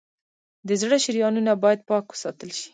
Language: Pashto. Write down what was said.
د زړه شریانونه باید پاک وساتل شي.